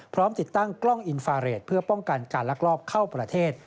ติดตั้งกล้องอินฟาเรทเพื่อป้องกันการลักลอบเข้าประเทศ